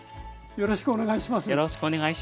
よろしくお願いします。